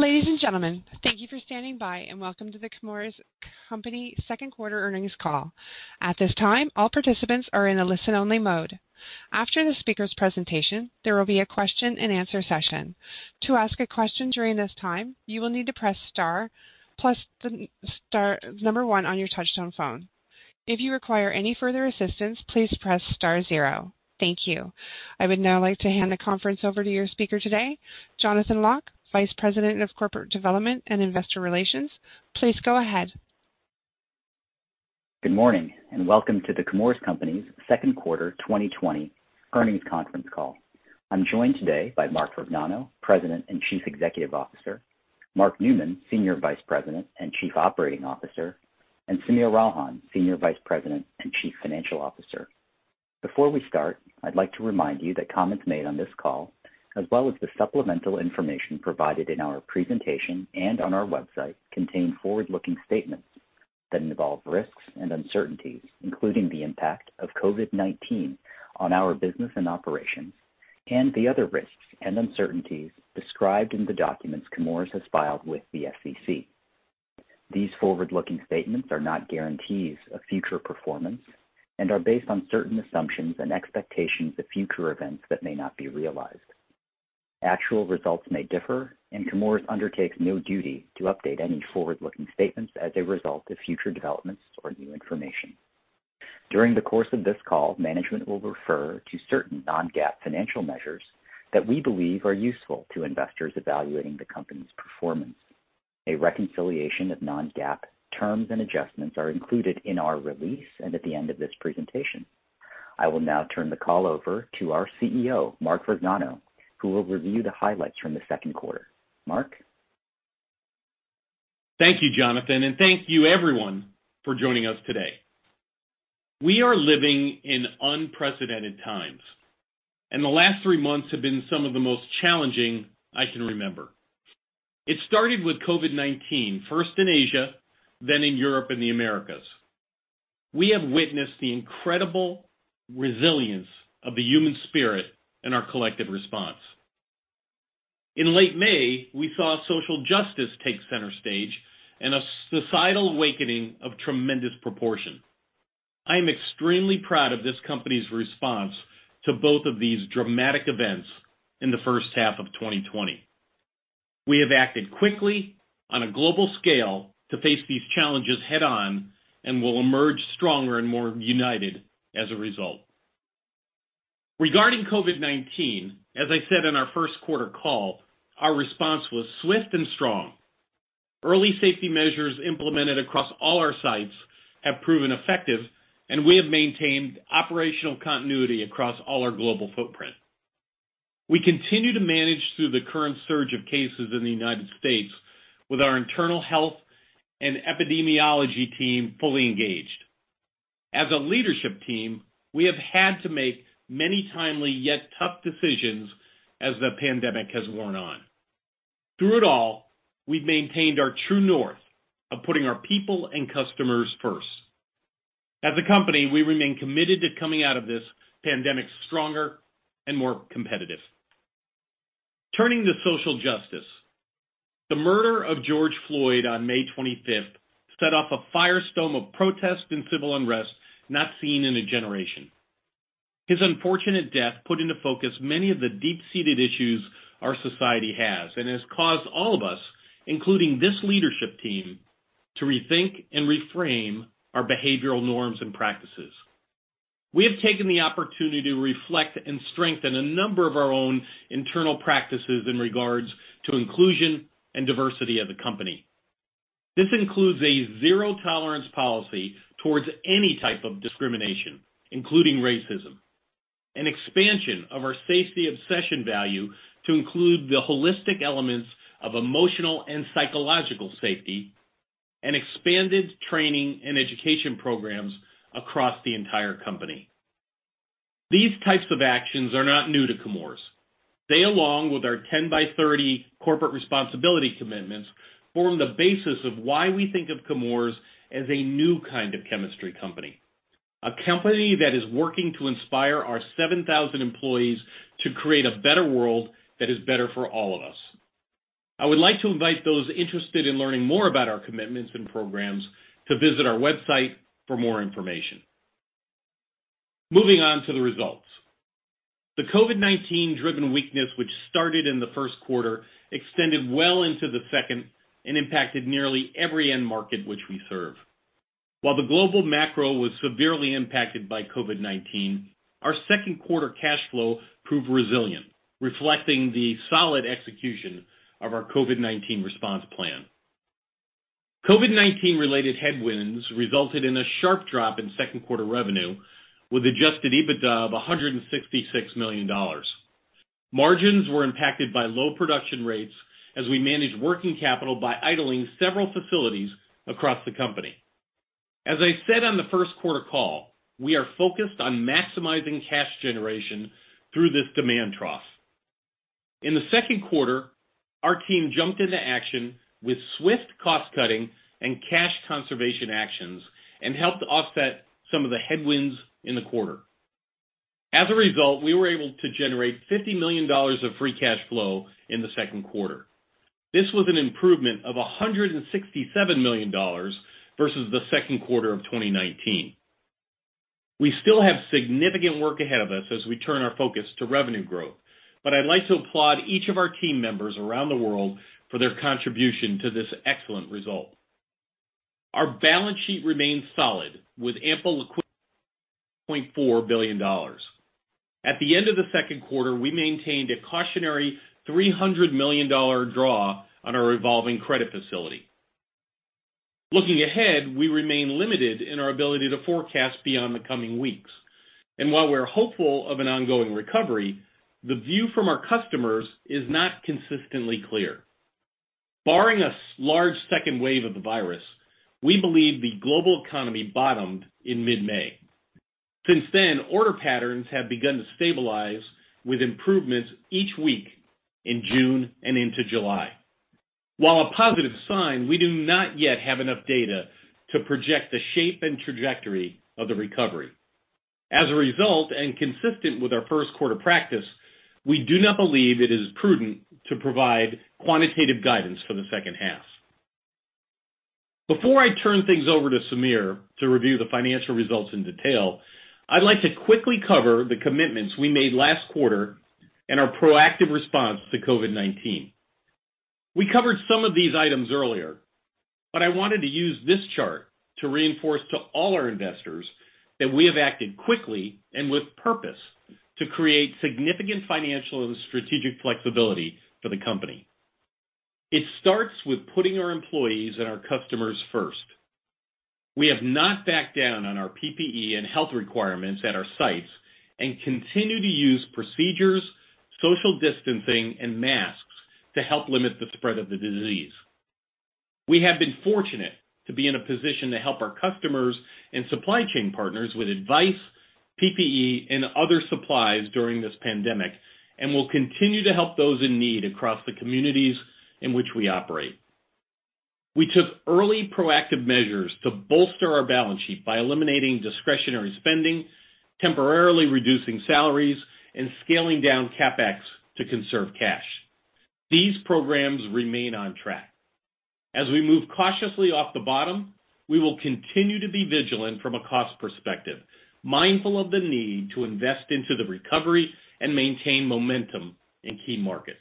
Ladies and gentlemen, thank you for standing by, and welcome to The Chemours Company Second Quarter Earnings Call. At this time, all participants are in a listen-only mode. After the speakers' presentation, there will be a question and answer session. To ask a question during this time, you will need to press star plus number one on your touchtone phone. If you require any further assistance, please press star zero. Thank you. I would now like to hand the conference over to your speaker today, Jonathan Lock, Vice President of Corporate Development and Investor Relations. Please go ahead. Good morning, welcome to The Chemours Company's second quarter 2020 earnings conference call. I'm joined today by Mark Vergnano, President and Chief Executive Officer, Mark Newman, Senior Vice President and Chief Operating Officer, and Sameer Ralhan, Senior Vice President, Chief Financial Officer & Treasurer. Before we start, I'd like to remind you that comments made on this call, as well as the supplemental information provided in our presentation and on our website, contain forward-looking statements that involve risks and uncertainties, including the impact of COVID-19 on our business and operations, and the other risks and uncertainties described in the documents Chemours has filed with the SEC. These forward-looking statements are not guarantees of future performance and are based on certain assumptions and expectations of future events that may not be realized. Actual results may differ. Chemours undertakes no duty to update any forward-looking statements as a result of future developments or new information. During the course of this call, management will refer to certain non-GAAP financial measures that we believe are useful to investors evaluating the company's performance. A reconciliation of non-GAAP terms and adjustments are included in our release and at the end of this presentation. I will now turn the call over to our CEO, Mark Vergnano, who will review the highlights from the second quarter. Mark? Thank you, Jonathan, and thank you, everyone, for joining us today. We are living in unprecedented times, and the last three months have been some of the most challenging I can remember. It started with COVID-19, first in Asia, then in Europe and the Americas. We have witnessed the incredible resilience of the human spirit and our collective response. In late May, we saw social justice take center stage and a societal awakening of tremendous proportion. I am extremely proud of this company's response to both of these dramatic events in the first half of 2020. We have acted quickly on a global scale to face these challenges head-on and will emerge stronger and more united as a result. Regarding COVID-19, as I said in our first quarter call, our response was swift and strong. Early safety measures implemented across all our sites have proven effective, and we have maintained operational continuity across all our global footprint. We continue to manage through the current surge of cases in the U.S. with our internal health and epidemiology team fully engaged. As a leadership team, we have had to make many timely yet tough decisions as the pandemic has worn on. Through it all, we've maintained our true north of putting our people and customers first. As a company, we remain committed to coming out of this pandemic stronger and more competitive. Turning to social justice, the murder of George Floyd on May 25th set off a firestorm of protests and civil unrest not seen in a generation. His unfortunate death put into focus many of the deep-seated issues our society has and has caused all of us, including this leadership team, to rethink and reframe our behavioral norms and practices. We have taken the opportunity to reflect and strengthen a number of our own internal practices in regards to inclusion and diversity as a company. This includes a zero-tolerance policy towards any type of discrimination, including racism, an expansion of our safety obsession value to include the holistic elements of emotional and psychological safety, and expanded training and education programs across the entire company. These types of actions are not new to Chemours. They, along with our 10 by 30 Corporate Responsibility Commitments, form the basis of why we think of Chemours as a new kind of chemistry company, a company that is working to inspire our 7,000 employees to create a better world that is better for all of us. I would like to invite those interested in learning more about our commitments and programs to visit our website for more information. Moving on to the results. The COVID-19 driven weakness, which started in the first quarter, extended well into the second and impacted nearly every end market which we serve. While the global macro was severely impacted by COVID-19, our second quarter cash flow proved resilient, reflecting the solid execution of our COVID-19 response plan. COVID-19 related headwinds resulted in a sharp drop in second quarter revenue with adjusted EBITDA of $166 million. Margins were impacted by low production rates as we managed working capital by idling several facilities across the company. As I said on the first quarter call, we are focused on maximizing cash generation through this demand trough. In the second quarter, our team jumped into action with swift cost-cutting and cash conservation actions and helped offset some of the headwinds in the quarter. As a result, we were able to generate $50 million of free cash flow in the second quarter. This was an improvement of $167 million versus the second quarter of 2019. We still have significant work ahead of us as we turn our focus to revenue growth, but I'd like to applaud each of our team members around the world for their contribution to this excellent result. Our balance sheet remains solid, with ample liquidity of $2.4 billion. At the end of the second quarter, we maintained a cautionary $300 million draw on our revolving credit facility. Looking ahead, we remain limited in our ability to forecast beyond the coming weeks. While we're hopeful of an ongoing recovery, the view from our customers is not consistently clear. Barring a large second wave of the virus, we believe the global economy bottomed in mid-May. Since then, order patterns have begun to stabilize with improvements each week in June and into July. While a positive sign, we do not yet have enough data to project the shape and trajectory of the recovery. As a result, and consistent with our first quarter practice, we do not believe it is prudent to provide quantitative guidance for the second half. Before I turn things over to Sameer to review the financial results in detail, I'd like to quickly cover the commitments we made last quarter and our proactive response to COVID-19. We covered some of these items earlier, but I wanted to use this chart to reinforce to all our investors that we have acted quickly and with purpose to create significant financial and strategic flexibility for the company. It starts with putting our employees and our customers first. We have not backed down on our PPE and health requirements at our sites and continue to use procedures, social distancing, and masks to help limit the spread of the disease. We have been fortunate to be in a position to help our customers and supply chain partners with advice, PPE, and other supplies during this pandemic, and will continue to help those in need across the communities in which we operate. We took early proactive measures to bolster our balance sheet by eliminating discretionary spending, temporarily reducing salaries, and scaling down CapEx to conserve cash. These programs remain on track. As we move cautiously off the bottom, we will continue to be vigilant from a cost perspective, mindful of the need to invest into the recovery and maintain momentum in key markets.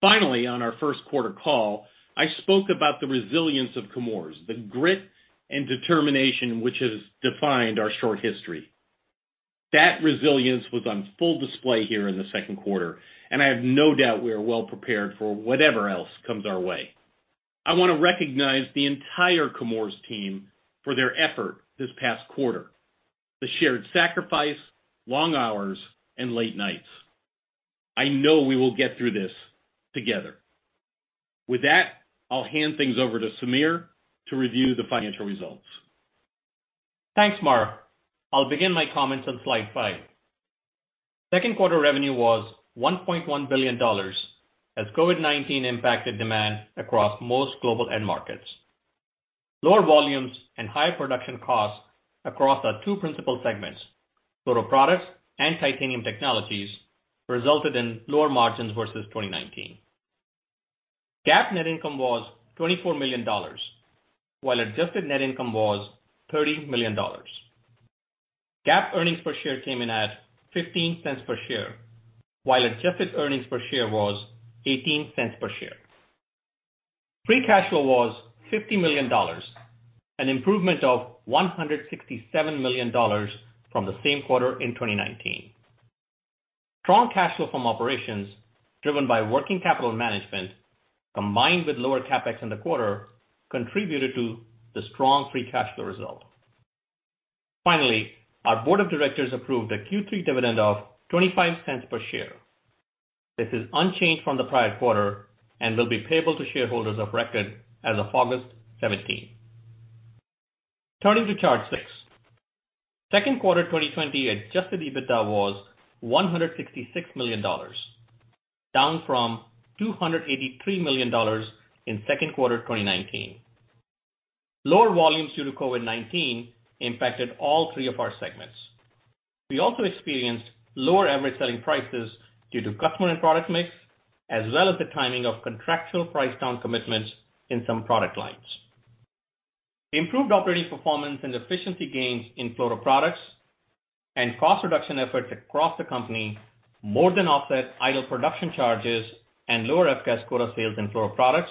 Finally, on our first quarter call, I spoke about the resilience of Chemours, the grit and determination which has defined our short history. That resilience was on full display here in the second quarter, and I have no doubt we are well prepared for whatever else comes our way. I want to recognize the entire Chemours team for their effort this past quarter, the shared sacrifice, long hours, and late nights. I know we will get through this together. With that, I'll hand things over to Sameer to review the financial results. Thanks, Mark. I'll begin my comments on slide five. Second quarter revenue was $1.1 billion, as COVID-19 impacted demand across most global end markets. Lower volumes and higher production costs across our two principal segments, Fluoroproducts and Titanium Technologies, resulted in lower margins versus 2019. GAAP net income was $24 million, while adjusted net income was $30 million. GAAP earnings per share came in at $0.15 per share, while adjusted earnings per share was $0.18 per share. Free cash flow was $50 million, an improvement of $167 million from the same quarter in 2019. Strong cash flow from operations driven by working capital management, combined with lower CapEx in the quarter, contributed to the strong free cash flow result. Finally, our board of directors approved a Q3 dividend of $0.25 per share. This is unchanged from the prior quarter and will be payable to shareholders of record as of August 17th. Turning to chart six. Q2 2020 adjusted EBITDA was $166 million, down from $283 million in Q2 2019. Lower volumes due to COVID-19 impacted all three of our segments. We also experienced lower average selling prices due to customer and product mix, as well as the timing of contractual price down commitments in some product lines. Improved operating performance and efficiency gains in Fluoroproducts and cost reduction efforts across the company more than offset idle production charges and lower EPS quota sales in Fluoroproducts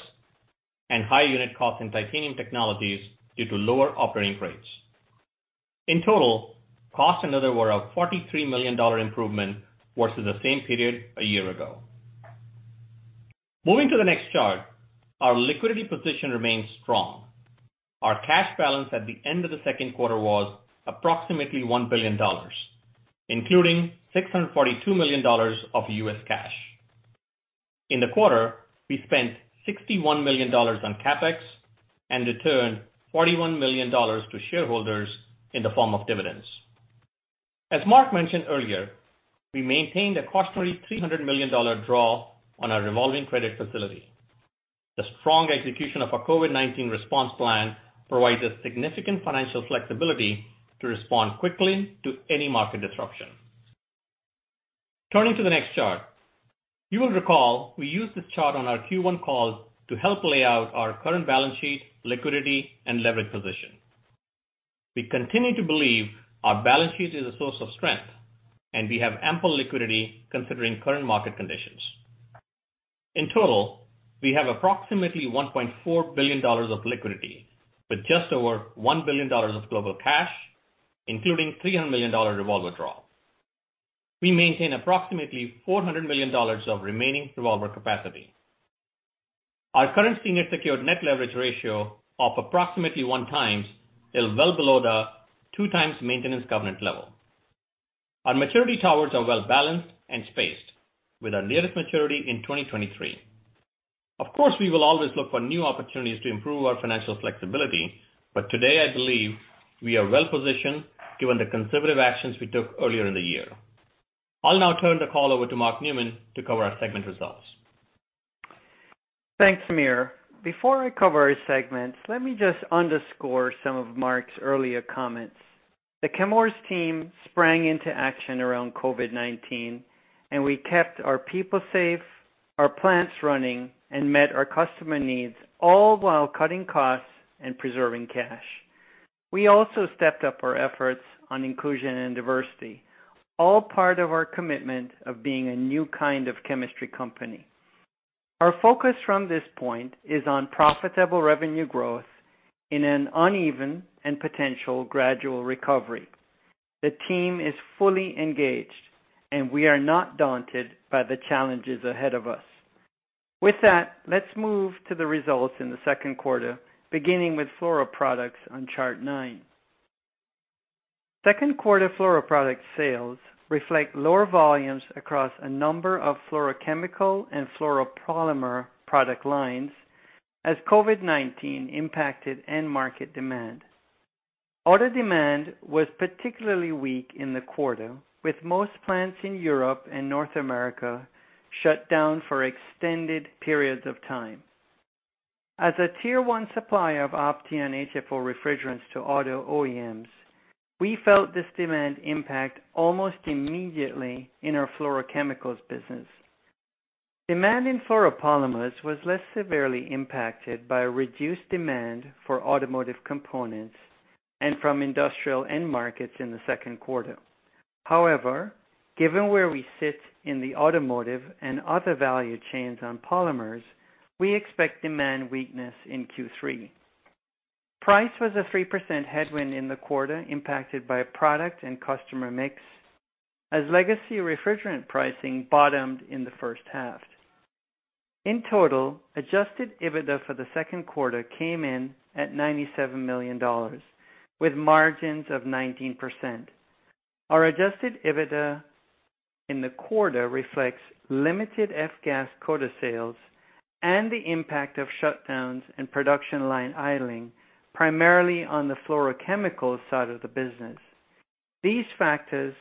and higher unit costs in Titanium Technologies due to lower operating rates. Costs in total were a $43 million improvement versus the same period a year ago. Moving to the next chart, our liquidity position remains strong. Our cash balance at the end of the second quarter was approximately $1 billion, including $642 million of U.S. cash. In the quarter, we spent $61 million on CapEx and returned $41 million to shareholders in the form of dividends. As Mark mentioned earlier, we maintained a cautionary $300 million draw on our revolving credit facility. The strong execution of our COVID-19 response plan provides us significant financial flexibility to respond quickly to any market disruption. Turning to the next chart. You will recall we used this chart on our Q1 call to help lay out our current balance sheet liquidity and leverage position. We continue to believe our balance sheet is a source of strength, and we have ample liquidity considering current market conditions. In total, we have approximately $1.4 billion of liquidity, with just over $1 billion of global cash, including $300 million revolver draw. We maintain approximately $400 million of remaining revolver capacity. Our current senior secured net leverage ratio of approximately one times is well below the two times maintenance covenant level. Our maturity towers are well balanced and spaced, with our nearest maturity in 2023. Of course, we will always look for new opportunities to improve our financial flexibility, but today I believe we are well-positioned given the conservative actions we took earlier in the year. I'll now turn the call over to Mark Newman to cover our segment results. Thanks, Sameer. Before I cover our segments, let me just underscore some of Mark's earlier comments. The Chemours team sprang into action around COVID-19, we kept our people safe, our plants running, and met our customer needs, all while cutting costs and preserving cash. We also stepped up our efforts on inclusion and diversity, all part of our commitment of being a new kind of chemistry company. Our focus from this point is on profitable revenue growth in an uneven and potential gradual recovery. The team is fully engaged, we are not daunted by the challenges ahead of us. With that, let's move to the results in the second quarter, beginning with Fluoroproducts on Chart nine. Second quarter Fluoroproducts sales reflect lower volumes across a number of fluorochemical and fluoropolymer product lines as COVID-19 impacted end market demand. Auto demand was particularly weak in the quarter, with most plants in Europe and North America shut down for extended periods of time. As a Tier 1 supplier of Opteon HFO refrigerants to auto OEMs, we felt this demand impact almost immediately in our fluorochemicals business. Demand in fluoropolymers was less severely impacted by a reduced demand for automotive components and from industrial end markets in the second quarter. However, given where we sit in the automotive and other value chains on polymers, we expect demand weakness in Q3. Price was a 3% headwind in the quarter impacted by product and customer mix as legacy refrigerant pricing bottomed in the first half. In total, adjusted EBITDA for the second quarter came in at $97 million, with margins of 19%. Our adjusted EBITDA in the quarter reflects limited F-gas quota sales and the impact of shutdowns and production line idling, primarily on the fluorochemicals side of the business. These factors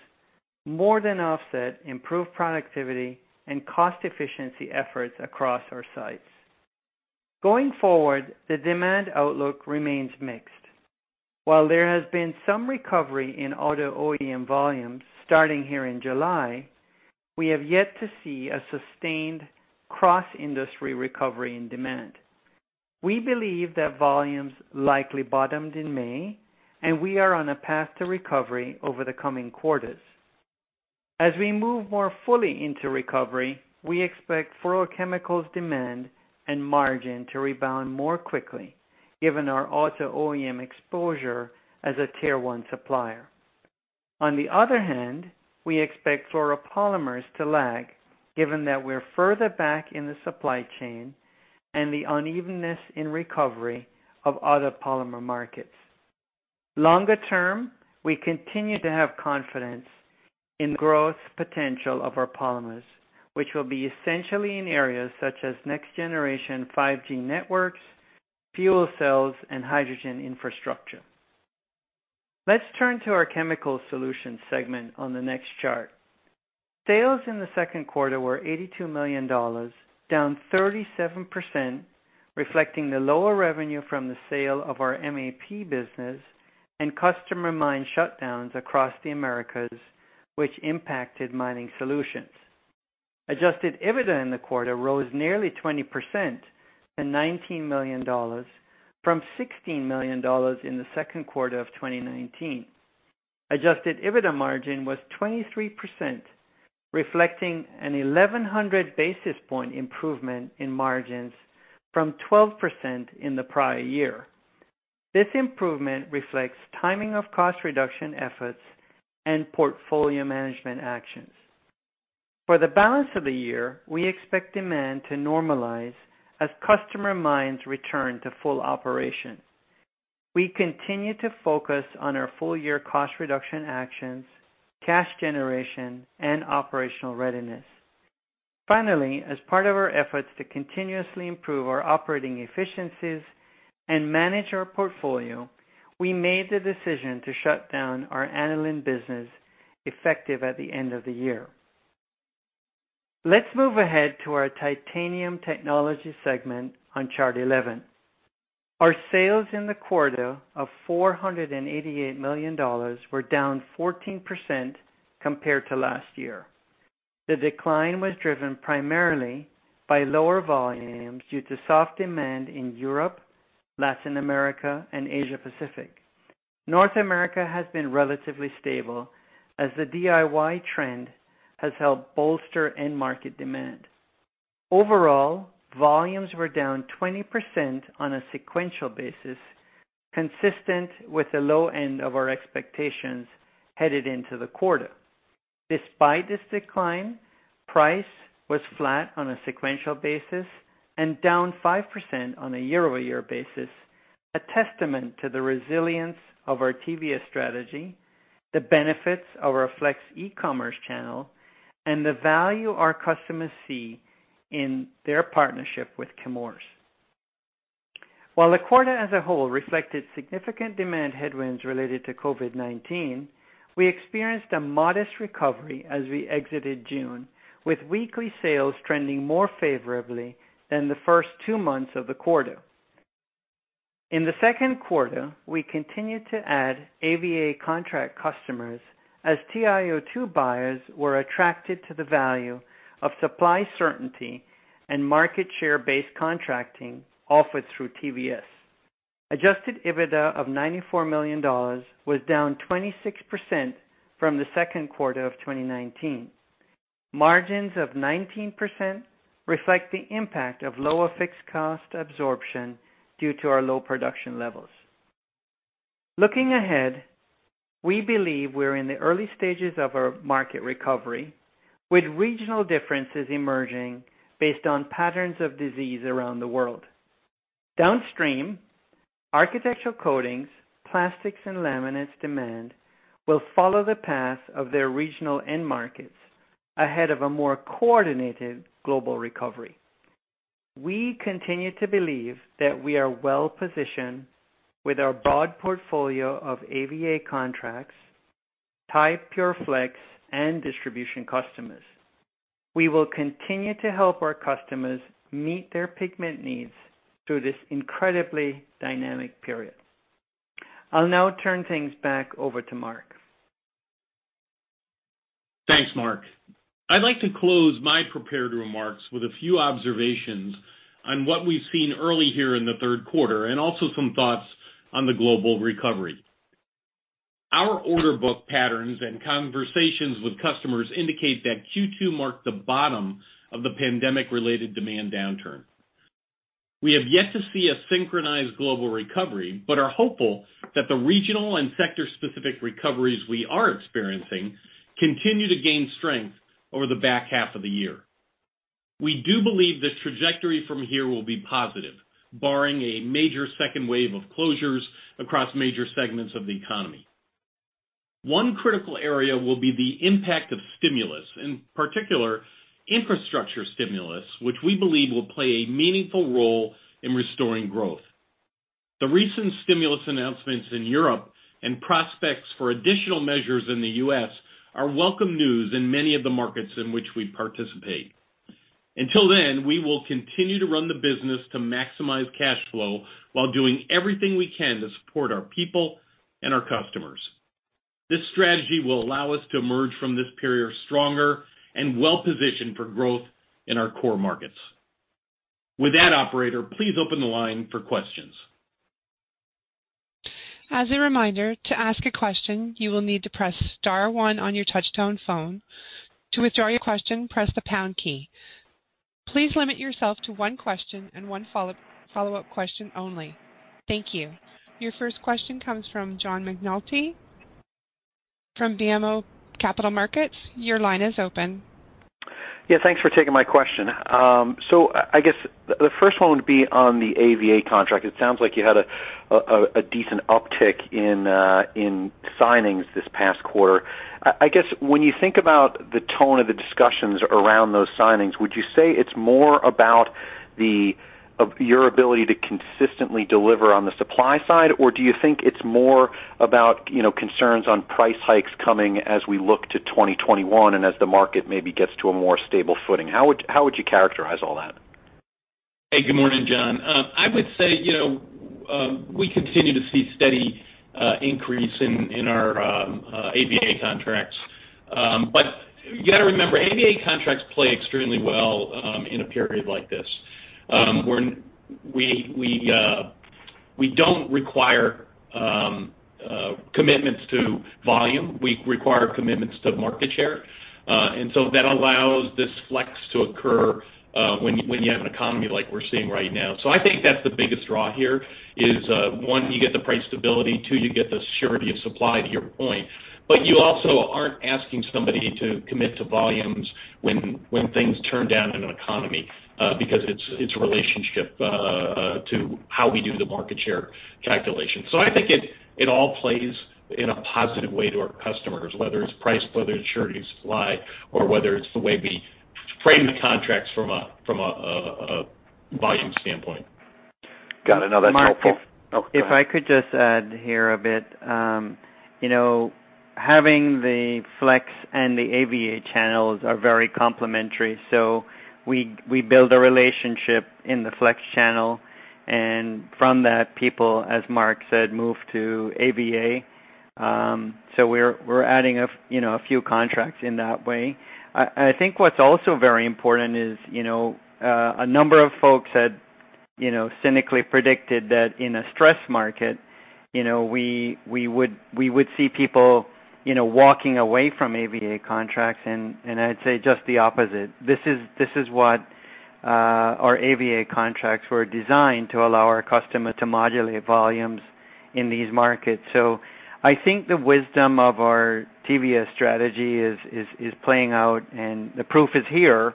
more than offset improved productivity and cost efficiency efforts across our sites. Going forward, the demand outlook remains mixed. While there has been some recovery in auto OEM volumes starting here in July, we have yet to see a sustained cross-industry recovery in demand. We believe that volumes likely bottomed in May, and we are on a path to recovery over the coming quarters. As we move more fully into recovery, we expect fluorochemicals demand and margin to rebound more quickly, given our auto OEM exposure as a Tier 1 supplier. On the other hand, we expect fluoropolymers to lag, given that we're further back in the supply chain and the unevenness in recovery of other polymer markets. Longer term, we continue to have confidence in the growth potential of our polymers, which will be essentially in areas such as next-generation 5G networks, fuel cells, and hydrogen infrastructure. Let's turn to our Chemical Solutions segment on the next chart. Sales in the second quarter were $82 million, down 37%, reflecting the lower revenue from the sale of our MAP business and customer mine shutdowns across the Americas, which impacted mining solutions. Adjusted EBITDA in the quarter rose nearly 20% to $19 million from $16 million in the second quarter of 2019. Adjusted EBITDA margin was 23%, reflecting an 1,100-basis-point improvement in margins from 12% in the prior year. This improvement reflects timing of cost reduction efforts and portfolio management actions. For the balance of the year, we expect demand to normalize as customer mines return to full operation. We continue to focus on our full-year cost reduction actions, cash generation, and operational readiness. Finally, as part of our efforts to continuously improve our operating efficiencies and manage our portfolio, we made the decision to shut down our aniline business effective at the end of the year. Let's move ahead to our Titanium Technologies segment on Chart 11. Our sales in the quarter of $488 million were down 14% compared to last year. The decline was driven primarily by lower volumes due to soft demand in Europe, Latin America, and Asia Pacific. North America has been relatively stable as the DIY trend has helped bolster end market demand. Overall, volumes were down 20% on a sequential basis, consistent with the low end of our expectations headed into the quarter. Despite this decline, price was flat on a sequential basis and down 5% on a year-over-year basis, a testament to the resilience of our TVS strategy, the benefits of our Flex e-commerce channel, and the value our customers see in their partnership with Chemours. While the quarter as a whole reflected significant demand headwinds related to COVID-19, we experienced a modest recovery as we exited June, with weekly sales trending more favorably than the first two months of the quarter. In the second quarter, we continued to add AVA contract customers as TiO2 buyers were attracted to the value of supply certainty and market share-based contracting offered through TVS. Adjusted EBITDA of $94 million was down 26% from the second quarter of 2019. Margins of 19% reflect the impact of lower fixed cost absorption due to our low production levels. Looking ahead, we believe we're in the early stages of our market recovery, with regional differences emerging based on patterns of disease around the world. Downstream, architectural coatings, plastics, and laminates demand will follow the path of their regional end markets ahead of a more coordinated global recovery. We continue to believe that we are well-positioned with our broad portfolio of AVA contracts, Ti-Pure Flex, and distribution customers. We will continue to help our customers meet their pigment needs through this incredibly dynamic period. I'll now turn things back over to Mark. Thanks, Mark. I'd like to close my prepared remarks with a few observations on what we've seen early here in the third quarter, and also some thoughts on the global recovery. Our order book patterns and conversations with customers indicate that Q2 marked the bottom of the pandemic-related demand downturn. We have yet to see a synchronized global recovery, but are hopeful that the regional and sector-specific recoveries we are experiencing continue to gain strength over the back half of the year. We do believe the trajectory from here will be positive, barring a major second wave of closures across major segments of the economy. One critical area will be the impact of stimulus, in particular infrastructure stimulus, which we believe will play a meaningful role in restoring growth. The recent stimulus announcements in Europe and prospects for additional measures in the U.S. are welcome news in many of the markets in which we participate. Until then, we will continue to run the business to maximize cash flow while doing everything we can to support our people and our customers. This strategy will allow us to emerge from this period stronger and well-positioned for growth in our core markets. With that, operator, please open the line for questions. As a reminder, to ask a question, you will need to press star one on your touchtone phone. To withdraw your question, press the pound key. Please limit yourself to one question and one follow-up question only. Thank you. Your first question comes from John McNulty from BMO Capital Markets. Your line is open. Thanks for taking my question. I guess the first one would be on the AVA contract. It sounds like you had a decent uptick in signings this past quarter. I guess when you think about the tone of the discussions around those signings, would you say it's more about your ability to consistently deliver on the supply side? Do you think it's more about concerns on price hikes coming as we look to 2021 and as the market maybe gets to a more stable footing? How would you characterize all that? Hey, good morning, John. I would say we continue to see steady increase in our AVA contracts. You got to remember, AVA contracts play extremely well in a period like this. We don't require commitments to volume. We require commitments to market share. That allows this flex to occur when you have an economy like we're seeing right now. I think that's the biggest draw here is, one, you get the price stability, two, you get the surety of supply to your point, but you also aren't asking somebody to commit to volumes when things turn down in an economy because it's relationship to how we do the market share calculation. I think it all plays in a positive way to our customers, whether it's price, whether it's surety of supply, or whether it's the way we frame the contracts from a volume standpoint. Got it. No, that's helpful. Mark, if I could just add here a bit. Having the Flex and the AVA channels are very complementary. We build a relationship in the Flex channel, and from that, people, as Mark said, move to AVA. We're adding a few contracts in that way. I think what's also very important is, a number of folks had cynically predicted that in a stress market, we would see people walking away from AVA contracts, and I'd say just the opposite. This is what our AVA contracts were designed to allow our customer to modulate volumes in these markets. I think the wisdom of our TBS strategy is playing out, and the proof is here,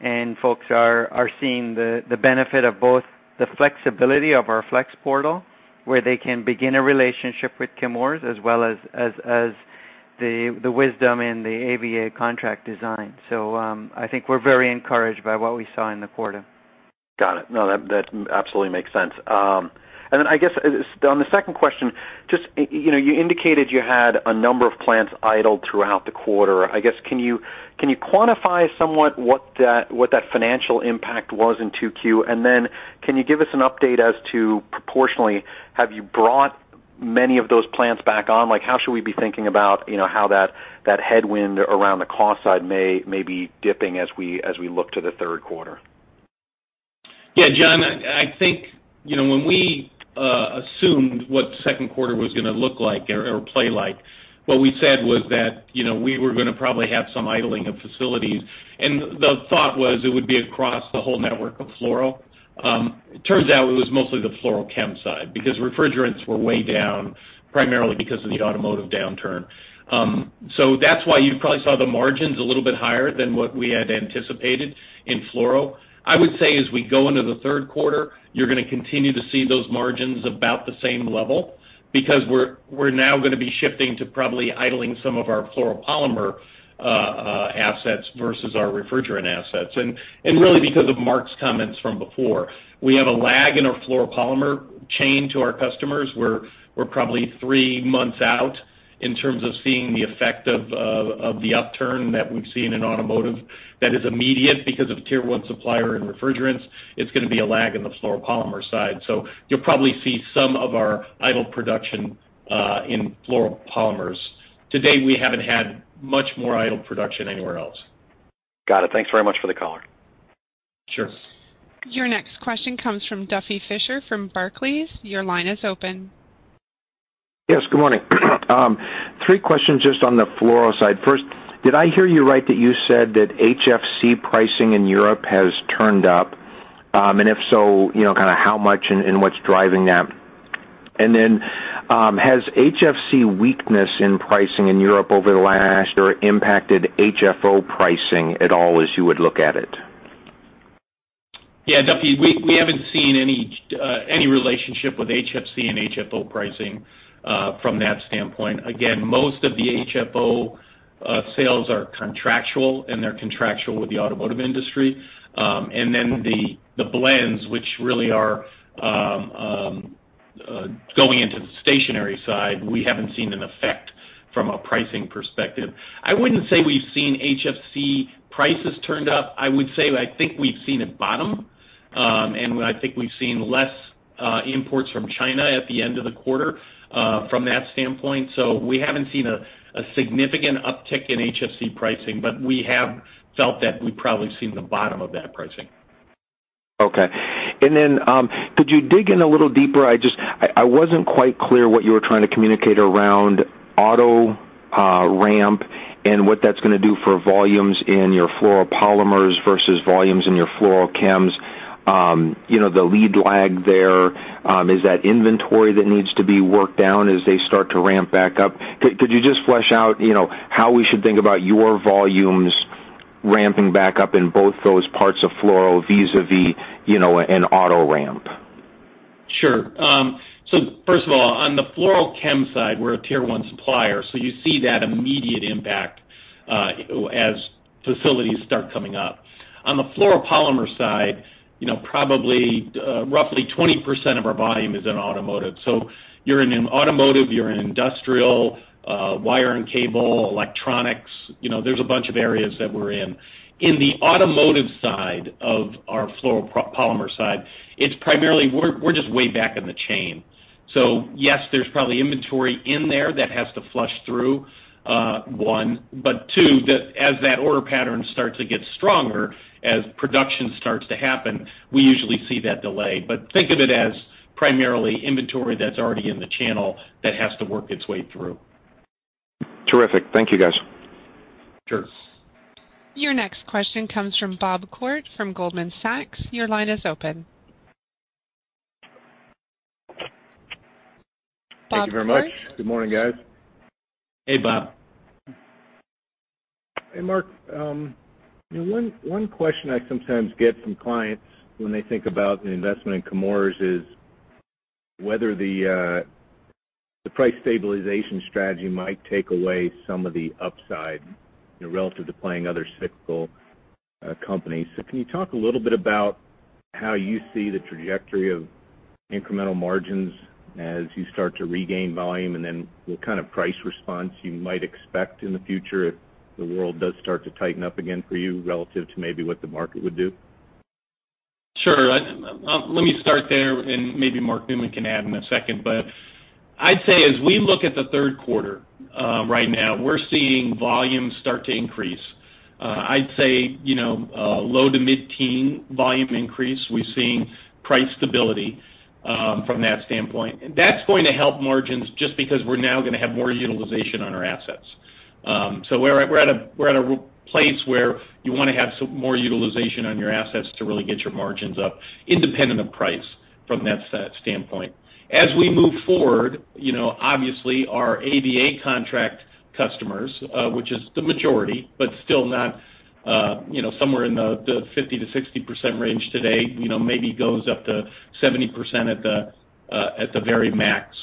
and folks are seeing the benefit of both the flexibility of our Flex portal, where they can begin a relationship with Chemours, as well as the wisdom in the AVA contract design. I think we're very encouraged by what we saw in the quarter. Got it. No, that absolutely makes sense. I guess on the second question, you indicated you had a number of plants idled throughout the quarter. I guess, can you quantify somewhat what that financial impact was in 2Q? Can you give us an update as to proportionally, have you brought many of those plants back on? How should we be thinking about how that headwind around the cost side may be dipping as we look to the third quarter? Yeah, John, I think when we assumed what second quarter was going to look like or play like, what we said was that we were going to probably have some idling of facilities. The thought was it would be across the whole network of fluoro. It turns out it was mostly the fluorochem side, because refrigerants were way down, primarily because of the automotive downturn. That's why you probably saw the margins a little bit higher than what we had anticipated in fluoro. I would say as we go into the third quarter, you're going to continue to see those margins about the same level, because we're now going to be shifting to probably idling some of our fluoropolymer assets versus our refrigerant assets. Really because of Mark's comments from before. We have a lag in our fluoropolymer chain to our customers. We're probably three months out in terms of seeing the effect of the upturn that we've seen in automotive that is immediate because of tier one supplier and refrigerants. It's going to be a lag in the fluoropolymer side. You'll probably see some of our idle production in fluoropolymers. Today, we haven't had much more idle production anywhere else. Got it. Thanks very much for the color. Sure. Your next question comes from Duffy Fischer from Barclays. Your line is open. Yes, good morning. Three questions just on the fluoro side. First, did I hear you right that you said that HFC pricing in Europe has turned up? If so, how much and what's driving that? Has HFC weakness in pricing in Europe over the last year impacted HFO pricing at all as you would look at it? Yeah, Duffy, we haven't seen any relationship with HFC and HFO pricing from that standpoint. Most of the HFO sales are contractual, and they're contractual with the automotive industry. The blends, which really are going into the stationary side, we haven't seen an effect from a pricing perspective. I wouldn't say we've seen HFC prices turned up. I would say, I think we've seen it bottom, and I think we've seen less imports from China at the end of the quarter from that standpoint. We haven't seen a significant uptick in HFC pricing, but we have felt that we've probably seen the bottom of that pricing. Okay. Could you dig in a little deeper? I wasn't quite clear what you were trying to communicate around auto ramp and what that's going to do for volumes in your fluoropolymers versus volumes in your fluorochems. The lead lag there, is that inventory that needs to be worked down as they start to ramp back up? Could you just flesh out how we should think about your volumes ramping back up in both those parts of fluoro vis-a-vis an auto ramp? Sure. First of all, on the fluorochem side, we're a tier one supplier. You see that immediate impact as facilities start coming up. On the fluoropolymer side, probably roughly 20% of our volume is in automotive. You're in automotive, you're in industrial, wire and cable, electronics. There's a bunch of areas that we're in. In the automotive side of our fluoropolymer side, we're just way back in the chain. Yes, there's probably inventory in there that has to flush through, one, but two, as that order pattern starts to get stronger, as production starts to happen, we usually see that delay. Think of it as primarily inventory that's already in the channel that has to work its way through. Terrific. Thank you, guys. Sure. Your next question comes from Bob Koort from Goldman Sachs. Your line is open. Bob Koort. Thank you very much. Good morning, guys. Hey, Bob. Hey, Mark. One question I sometimes get from clients when they think about an investment in Chemours is whether the price stabilization strategy might take away some of the upside relative to playing other cyclical companies. Can you talk a little bit about how you see the trajectory of incremental margins as you start to regain volume, and then what kind of price response you might expect in the future if the world does start to tighten up again for you relative to maybe what the market would do? Sure. Let me start there, and maybe Mark Newman can add in a second. I'd say as we look at the third quarter right now, we're seeing volumes start to increase. I'd say low to mid-teen volume increase. We're seeing price stability from that standpoint. That's going to help margins just because we're now going to have more utilization on our assets. We're at a place where you want to have more utilization on your assets to really get your margins up, independent of price from that standpoint. As we move forward, obviously our AVA contract customers, which is the majority, but still somewhere in the 50%-60% range today, maybe goes up to 70% at the very max,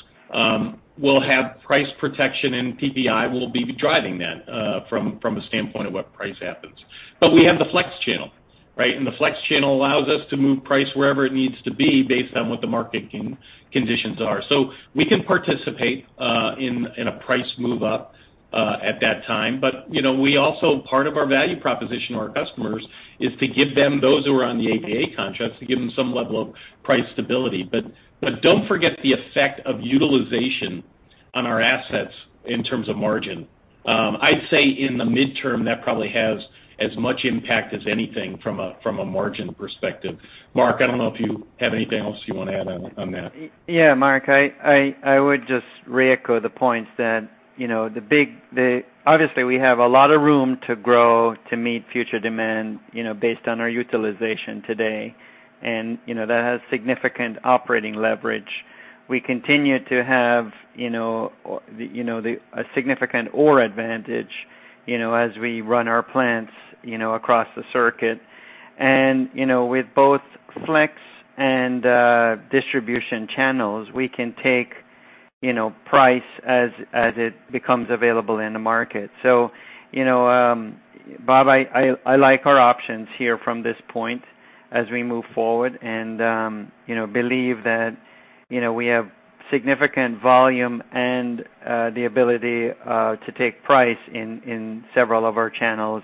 will have price protection, and CPI will be driving that from a standpoint of what price happens. We have the flex channel, right? The flex channel allows us to move price wherever it needs to be based on what the market conditions are. We can participate in a price move up at that time. Part of our value proposition to our customers is to give those who are on the AVA contracts some level of price stability. Don't forget the effect of utilization on our assets in terms of margin. I'd say in the midterm, that probably has as much impact as anything from a margin perspective. Mark, I don't know if you have anything else you want to add on that. Yeah, Mark, I would just reecho the points that obviously we have a lot of room to grow to meet future demand based on our utilization today, and that has significant operating leverage. We continue to have a significant ore advantage as we run our plants across the circuit. With both Flex and distribution channels, we can take price as it becomes available in the market. Bob, I like our options here from this point as we move forward and believe that we have significant volume and the ability to take price in several of our channels.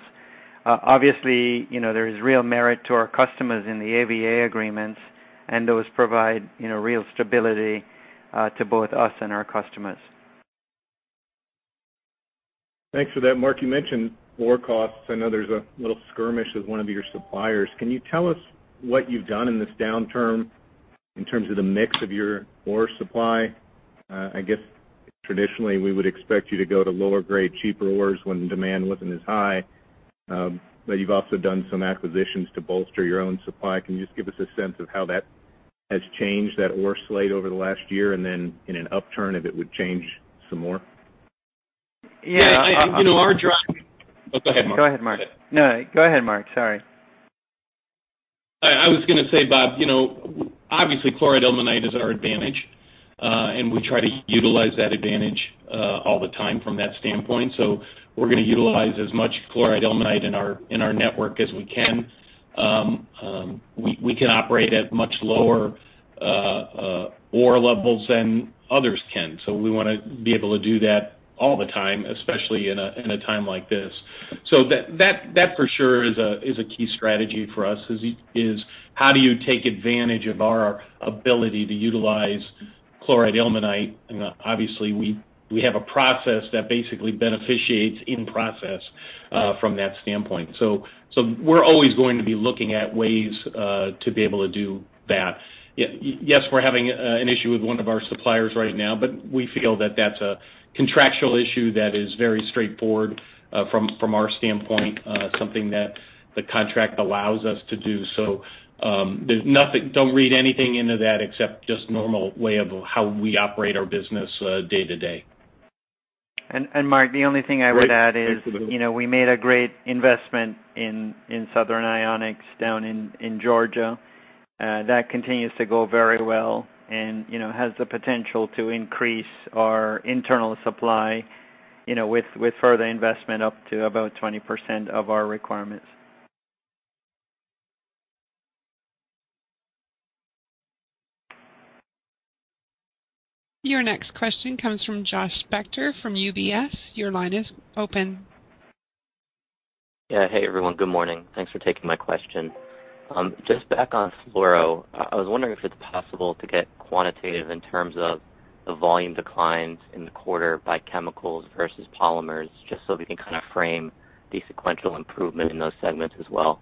Obviously, there is real merit to our customers in the AVA agreements, and those provide real stability to both us and our customers. Thanks for that, Mark. You mentioned ore costs. I know there's a little skirmish with one of your suppliers. Can you tell us what you've done in this downturn in terms of the mix of your ore supply? I guess traditionally we would expect you to go to lower grade, cheaper ores when demand wasn't as high. You've also done some acquisitions to bolster your own supply. Can you just give us a sense of how that has changed that ore slate over the last year, and then in an upturn, if it would change some more? Yeah. Yeah. Our drive- Oh, go ahead, Mark. Go ahead, Mark. No, go ahead, Mark. Sorry. I was going to say, Bob, obviously chloride ilmenite is our advantage, and we try to utilize that advantage all the time from that standpoint. We're going to utilize as much chloride ilmenite in our network as we can. We can operate at much lower ore levels than others can. We want to be able to do that all the time, especially in a time like this. That for sure is a key strategy for us, is how do you take advantage of our ability to utilize chloride ilmenite? Obviously we have a process that basically beneficiates in-process from that standpoint. We're always going to be looking at ways to be able to do that. Yes, we're having an issue with one of our suppliers right now. We feel that that's a contractual issue that is very straightforward from our standpoint, something that the contract allows us to do. Don't read anything into that except just normal way of how we operate our business day to day. Mark, the only thing I would add is we made a great investment in Southern Ionics down in Georgia. That continues to go very well and has the potential to increase our internal supply with further investment up to about 20% of our requirements. Your next question comes from Joshua Spector from UBS. Your line is open. Hey, everyone. Good morning. Thanks for taking my question. Just back on fluoro. I was wondering if it's possible to get quantitative in terms of the volume declines in the quarter by chemicals versus polymers, just so we can kind of frame the sequential improvement in those segments as well.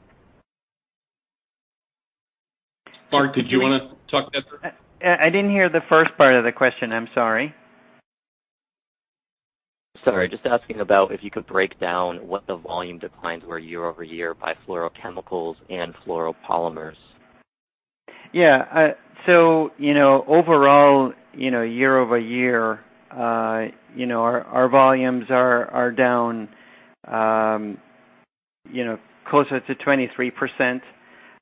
Mark, did you want to talk to that? I didn't hear the first part of the question. I'm sorry. Sorry. Just asking about if you could break down what the volume declines were year-over-year by fluorochemicals and fluoropolymers? Yeah. Overall, year-over-year, our volumes are down closer to 23%.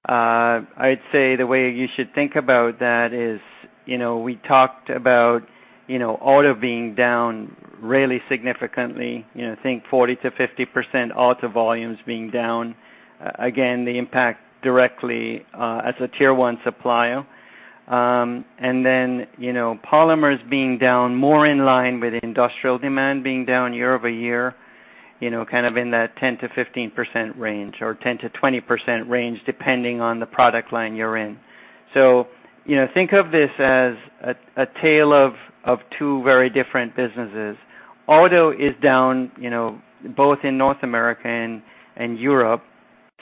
I'd say the way you should think about that is we talked about auto being down really significantly, think 40%-50% auto volumes being down. Again, the impact directly as a tier 1 supplier. Polymers being down more in line with industrial demand being down year-over-year, in that 10%-15% range, or 10%-20% range, depending on the product line you're in. Think of this as a tale of two very different businesses. Auto is down both in North America and Europe,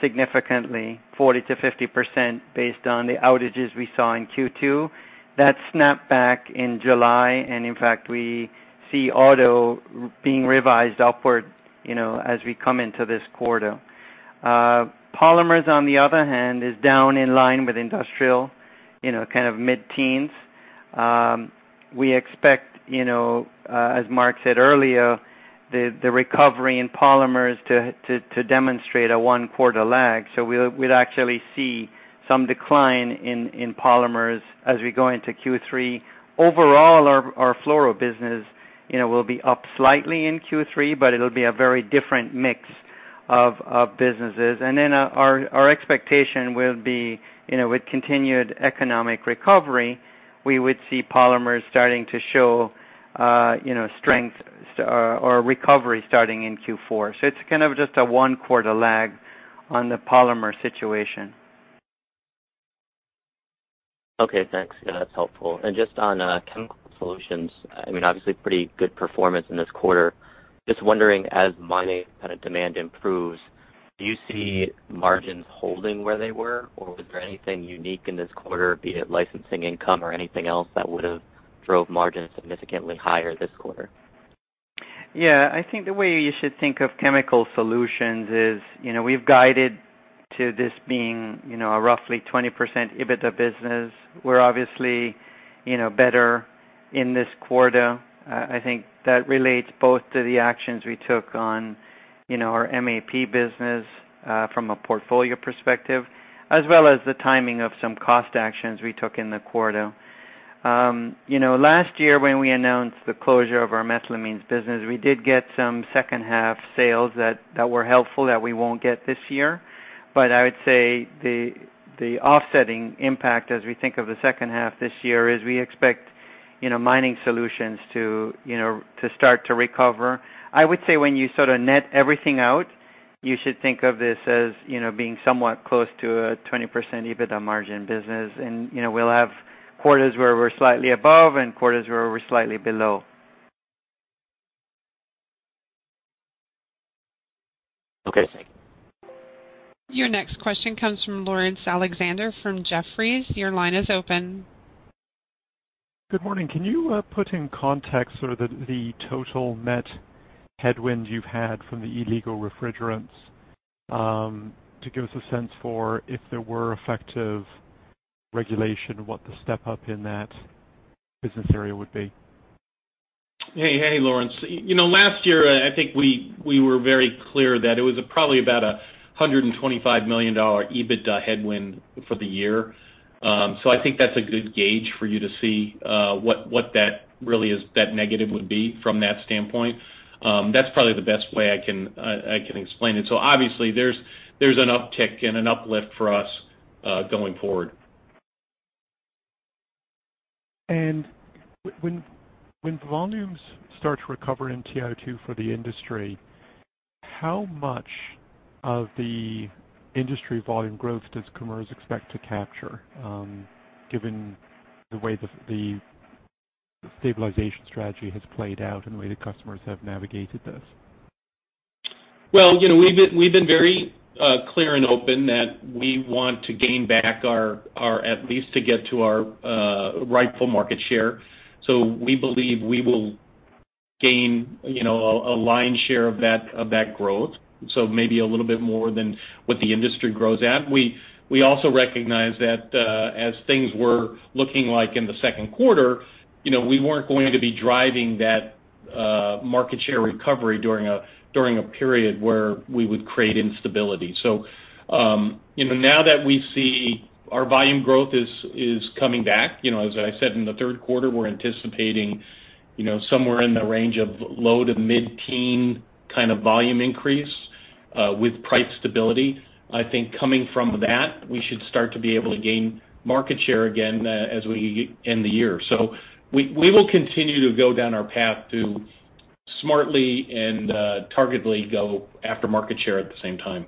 significantly, 40%-50% based on the outages we saw in Q2. That snapped back in July, and in fact, we see auto being revised upward as we come into this quarter. Polymers, on the other hand, is down in line with industrial, mid-teens. We expect, as Mark said earlier, the recovery in polymers to demonstrate a one-quarter lag. We'll actually see some decline in polymers as we go into Q3. Overall, our fluoro business will be up slightly in Q3, but it'll be a very different mix of businesses. Our expectation will be with continued economic recovery, we would see polymers starting to show strength or recovery starting in Q4. It's just a one-quarter lag on the polymer situation. Okay, thanks. Yeah, that's helpful. Just on Chemical Solutions, obviously pretty good performance in this quarter. Just wondering, as mining demand improves, do you see margins holding where they were, or was there anything unique in this quarter, be it licensing income or anything else that would've drove margins significantly higher this quarter? I think the way you should think of Chemical Solutions is we've guided to this being a roughly 20% EBITDA business. We're obviously better in this quarter. I think that relates both to the actions we took on our MAP business from a portfolio perspective, as well as the timing of some cost actions we took in the quarter. Last year when we announced the closure of our methylamines business, we did get some second half sales that were helpful that we won't get this year. I would say the offsetting impact as we think of the second half this year is we expect mining solutions to start to recover. I would say when you net everything out, you should think of this as being somewhat close to a 20% EBITDA margin business. We'll have quarters where we're slightly above and quarters where we're slightly below. Okay, thanks. Your next question comes from Laurence Alexander from Jefferies. Your line is open. Good morning. Can you put in context the total net headwind you've had from the illegal refrigerants to give us a sense for if there were effective regulation, what the step-up in that business area would be? Hey, Laurence. Last year, I think we were very clear that it was probably about $125 million EBITDA headwind for the year. I think that's a good gauge for you to see what that really is, that negative would be from that standpoint. That's probably the best way I can explain it. Obviously there's an uptick and an uplift for us going forward. When volumes start to recover in TiO2 for the industry, how much of the industry volume growth does Chemours expect to capture given the way the stabilization strategy has played out and the way that customers have navigated this? We've been very clear and open that we want to gain back at least to get to our rightful market share. We believe we will gain a lion's share of that growth. Maybe a little bit more than what the industry grows at. We also recognize that as things were looking like in the second quarter, we weren't going to be driving that market share recovery during a period where we would create instability. Now that we see our volume growth is coming back, as I said, in the third quarter, we're anticipating somewhere in the range of low to mid-teen volume increase with price stability. I think coming from that, we should start to be able to gain market share again as we end the year. We will continue to go down our path to smartly and targetedly go after market share at the same time.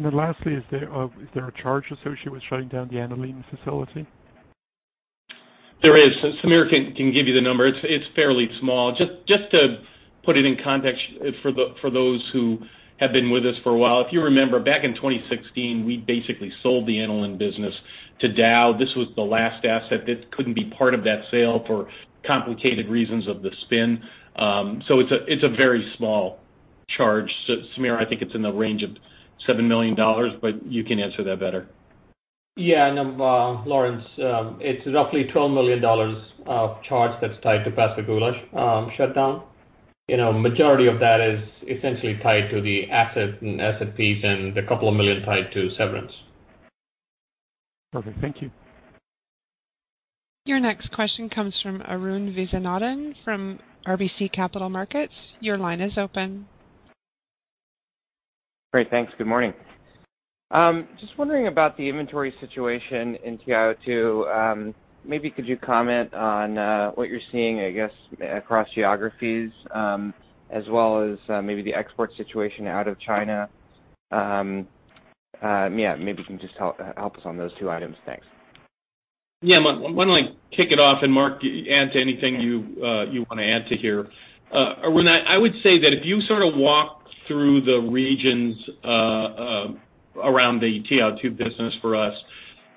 Lastly, is there a charge associated with shutting down the aniline facility? There is. Sameer can give you the number. It's fairly small. Just to put it in context for those who have been with us for a while. If you remember back in 2016, we basically sold the aniline business to Dow. This was the last asset that couldn't be part of that sale for complicated reasons of the spin. It's a very small charge. Sameer, I think it's in the range of $7 million, but you can answer that better. Yeah, no, Laurence, it's roughly $12 million of charge that's tied to Pascagoula shutdown. Majority of that is essentially tied to the asset and SFPs and a couple of million tied to severance. Perfect. Thank you. Your next question comes from Arun Viswanathan from RBC Capital Markets. Your line is open. Great. Thanks. Good morning. Just wondering about the inventory situation in TiO2. Maybe could you comment on what you're seeing, I guess, across geographies, as well as maybe the export situation out of China. Yeah, maybe if you can just help us on those two items. Thanks. Why don't I kick it off, Mark, you add to anything you want to add to here. Arun, I would say that if you sort of walk through the regions around the TiO2 business for us,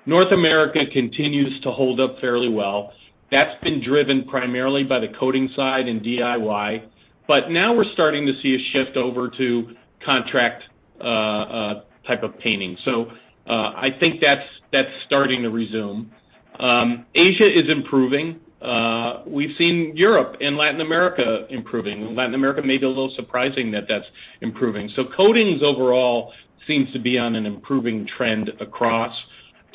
North America continues to hold up fairly well. That's been driven primarily by the coatings side and DIY. Now we're starting to see a shift over to contract type of painting. I think that's starting to resume. Asia is improving. We've seen Europe and Latin America improving. Latin America may be a little surprising that that's improving. Coatings overall seems to be on an improving trend across.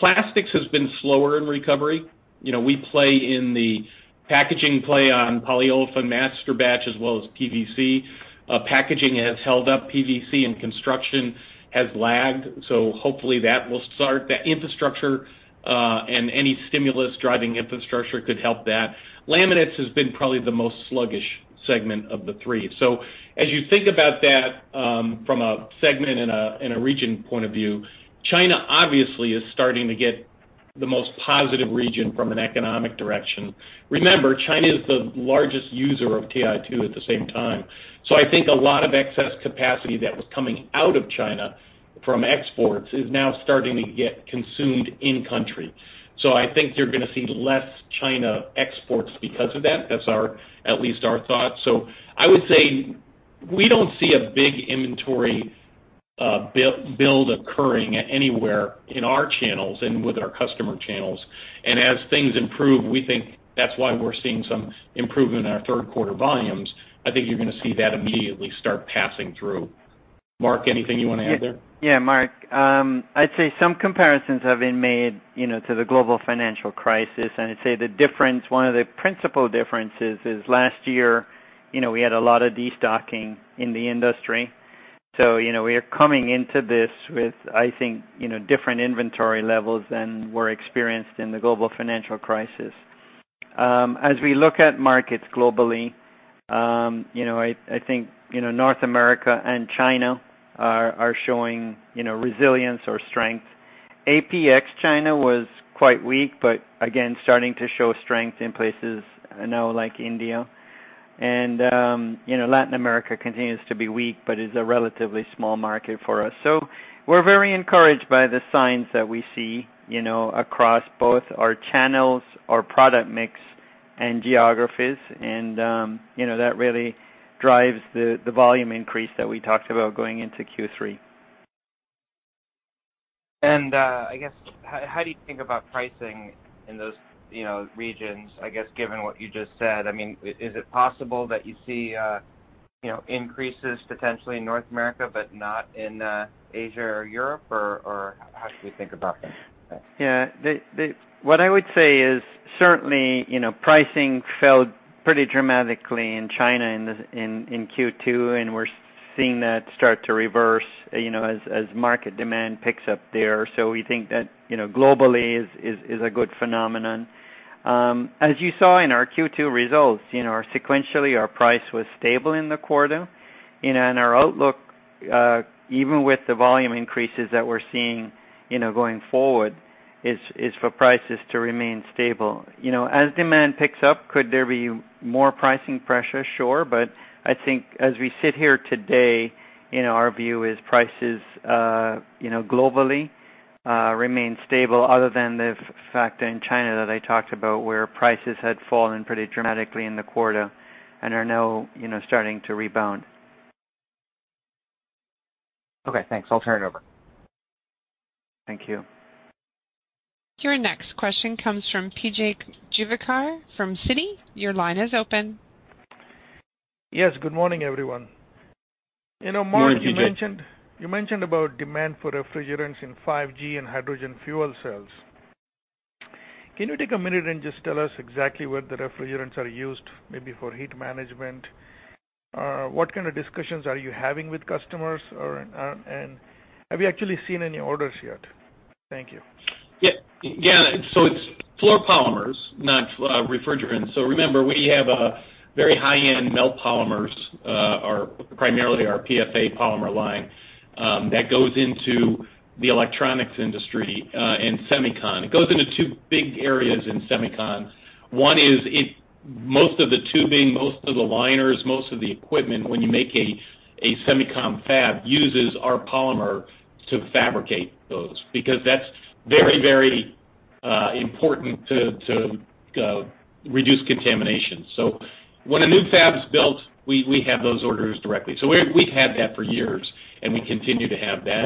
Plastics has been slower in recovery. We play in the packaging play on polyolefin masterbatch as well as PVC. Packaging has held up PVC and construction has lagged, hopefully that will start. The infrastructure, and any stimulus driving infrastructure could help that. Laminates has been probably the most sluggish segment of the three. As you think about that from a segment and a region point of view, China obviously is starting to get the most positive region from an economic direction. Remember, China is the largest user of TiO2 at the same time. I think a lot of excess capacity that was coming out of China from exports is now starting to get consumed in country. I think you're going to see less China exports because of that. That's at least our thought. I would say we don't see a big inventory build occurring anywhere in our channels and with our customer channels. As things improve, we think that's why we're seeing some improvement in our third quarter volumes. I think you're going to see that immediately start passing through. Mark, anything you want to add there? Mark. I'd say some comparisons have been made to the global financial crisis, I'd say one of the principal differences is last year, we had a lot of destocking in the industry. We are coming into this with, I think, different inventory levels than were experienced in the global financial crisis. We look at markets globally, I think North America and China are showing resilience or strength. AP ex-China was quite weak, again, starting to show strength in places now like India. Latin America continues to be weak but is a relatively small market for us. We're very encouraged by the signs that we see across both our channels, our product mix, and geographies. That really drives the volume increase that we talked about going into Q3. I guess, how do you think about pricing in those regions, I guess, given what you just said? I mean, is it possible that you see increases potentially in North America but not in Asia or Europe? How should we think about that? Thanks. Yeah. What I would say is certainly, pricing fell pretty dramatically in China in Q2, and we're seeing that start to reverse as market demand picks up there. We think that globally is a good phenomenon. As you saw in our Q2 results, sequentially, our price was stable in the quarter. Our outlook, even with the volume increases that we're seeing going forward, is for prices to remain stable. As demand picks up, could there be more pricing pressure? Sure. I think as we sit here today, our view is prices globally remain stable other than the fact in China that I talked about where prices had fallen pretty dramatically in the quarter and are now starting to rebound. Okay, thanks. I'll turn it over. Thank you. Your next question comes from P.J. Juvekar from Citi. Your line is open. Yes. Good morning, everyone. Good morning, P.J. Mark, you mentioned about demand for refrigerants in 5G and hydrogen fuel cells. Can you take a minute and just tell us exactly where the refrigerants are used, maybe for heat management? What kind of discussions are you having with customers? Have you actually seen any orders yet? Thank you. Yeah. It's fluoropolymers, not refrigerants. Remember, we have a very high-end melt polymers, primarily our PFA polymer line, that goes into the electronics industry and semicon. It goes into two big areas in semicon. One is most of the tubing, most of the liners, most of the equipment when you make a semicon fab uses our polymer to fabricate those. That's very important to reduce contamination. When a new fab is built, we have those orders directly. We've had that for years, and we continue to have that.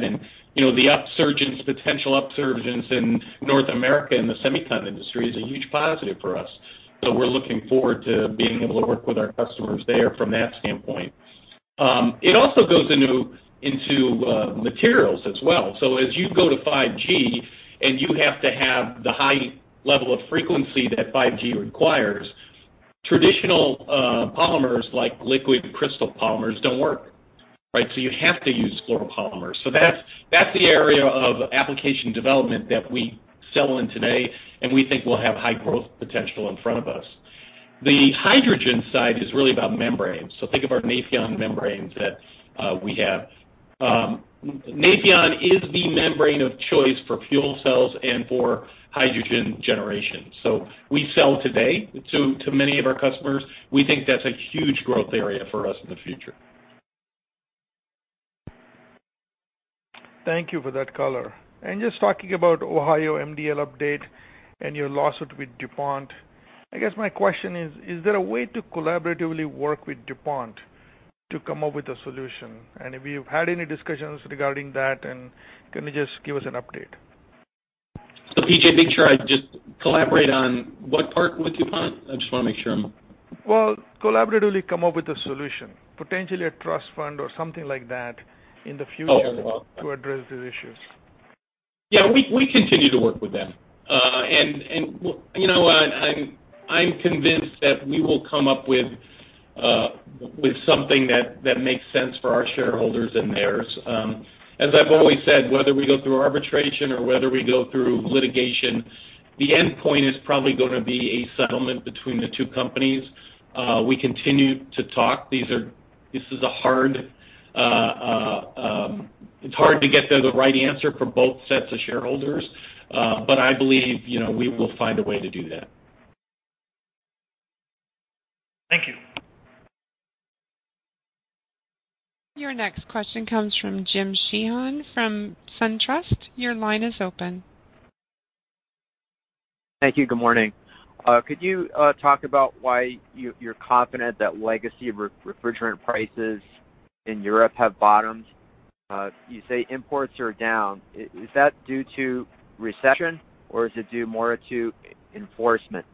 The potential upsurgence in North America in the semiconductor industry is a huge positive for us. We're looking forward to being able to work with our customers there from that standpoint. It also goes into materials as well. As you go to 5G, and you have to have the high level of frequency that 5G requires, traditional polymers, like liquid crystal polymers, don't work. You have to use fluoropolymers. That's the area of application development that we sell in today, and we think will have high growth potential in front of us. The hydrogen side is really about membranes. Think of our Nafion membranes that we have. Nafion is the membrane of choice for fuel cells and for hydrogen generation. We sell today to many of our customers. We think that's a huge growth area for us in the future. Thank you for that color. Just talking about Ohio MDL update and your lawsuit with DuPont, I guess my question is there a way to collaboratively work with DuPont to come up with a solution? If you've had any discussions regarding that, and can you just give us an update? PJ, make sure I collaborate on what part with DuPont? Well, collaboratively come up with a solution, potentially a trust fund or something like that in the future. Oh, well. to address these issues. Yeah. We continue to work with them. You know what? I'm convinced that we will come up with something that makes sense for our shareholders and theirs. As I've always said, whether we go through arbitration or whether we go through litigation, the endpoint is probably going to be a settlement between the two companies. We continue to talk. It's hard to get the right answer for both sets of shareholders, but I believe we will find a way to do that. Thank you. Your next question comes from James Sheehan from SunTrust. Your line is open. Thank you. Good morning. Could you talk about why you're confident that legacy refrigerant prices in Europe have bottomed? You say imports are down. Is that due to recession or is it due more to enforcement?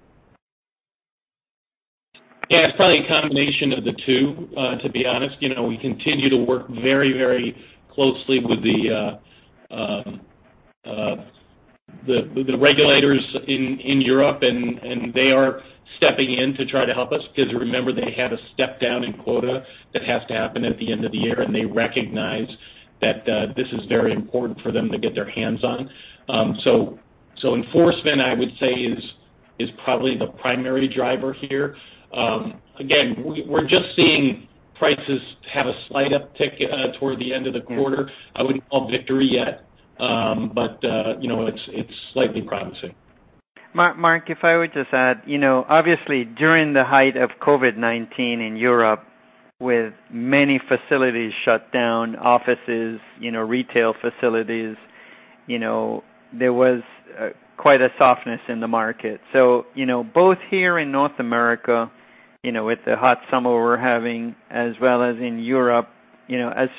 Yeah, it's probably a combination of the two, to be honest. We continue to work very closely with the regulators in Europe, and they are stepping in to try to help us. Remember, they had a step down in quota that has to happen at the end of the year, and they recognize that this is very important for them to get their hands on. Enforcement, I would say, is probably the primary driver here. Again, we're just seeing prices have a slight uptick toward the end of the quarter. I wouldn't call victory yet. It's slightly promising. Mark, if I would just add, obviously, during the height of COVID-19 in Europe, with many facilities shut down, offices, retail facilities, there was quite a softness in the market. Both here in North America, with the hot summer we're having, as well as in Europe, as